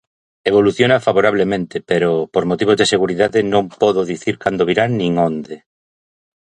Evoluciona favorablemente, pero por motivos de seguridade non podo dicir cando virán nin onde.